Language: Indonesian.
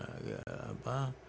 yang lebih aktif